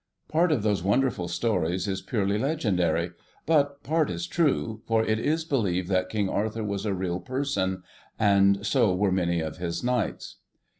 Part of those wonderful stories is purely legendary, but part is true, for it is believed that King Arthur was a real person, and so were many of his Knights.